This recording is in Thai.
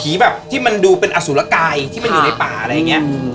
แบบที่มันดูเป็นอสุรกายที่มันอยู่ในป่าอะไรอย่างนี้